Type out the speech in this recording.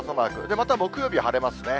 また木曜日晴れますね。